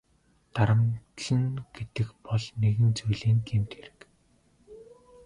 Дарамтална гэдэг бол нэгэн зүйлийн гэмт хэрэг.